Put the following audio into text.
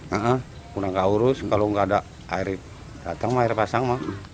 iya kurang keurus kalau enggak ada air datang air pasang